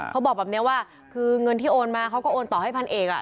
เขาบอกแบบนี้ว่าคือเงินที่โอนมาเขาก็โอนต่อให้พันเอกอ่ะ